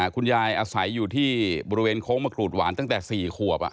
คุณยายอาศัยอยู่ที่บริเวณโค้งมะกรูดหวานตั้งแต่๔ขวบ